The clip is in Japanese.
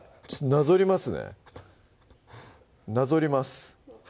なぞります